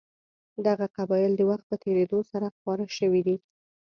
دغه قبایل د وخت په تېرېدو سره خواره شوي دي.